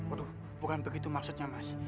waduh bukan begitu maksudnya mas